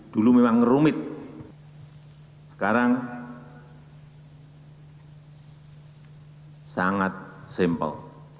dulu memang rumit sekarang sangat simple